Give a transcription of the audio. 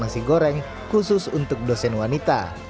nasi goreng khusus untuk dosen wanita